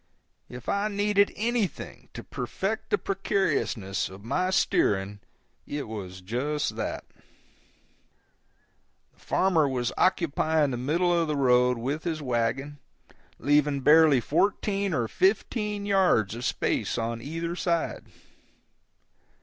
If I needed anything to perfect the precariousness of my steering, it was just that. The farmer was occupying the middle of the road with his wagon, leaving barely fourteen or fifteen yards of space on either side.